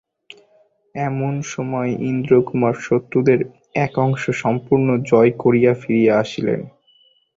এমন সময় ইন্দ্রকুমার শত্রুদের এক অংশ সম্পূর্ণ জয় করিয়া ফিরিয়া আসিলেন।